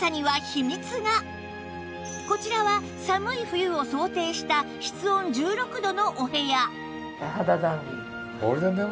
こちらは寒い冬を想定した室温１６度のお部屋